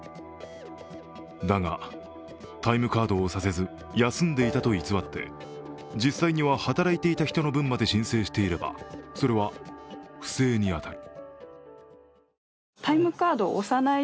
だが、タイムカードを押させず休んでいたと偽って実際には働いていた人の分まで申請していればそれは不正に当たる。